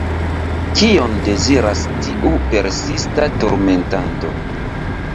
Kion deziras tiu persista turmentanto?